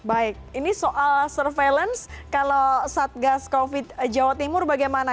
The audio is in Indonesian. baik ini soal surveillance kalau satgas covid jawa timur bagaimana